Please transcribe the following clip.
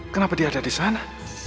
kenapa dia ada di sana